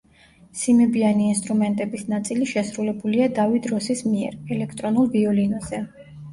სიმებიანი ინსტრუმენტების ნაწილი შესრულებულია დავიდ როსის მიერ, ელექტრონულ ვიოლინოზე.